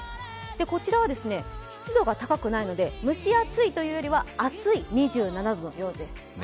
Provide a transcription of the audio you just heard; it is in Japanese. こちらは湿度が高くないので、蒸し暑いというよりは、暑い２７度のようです。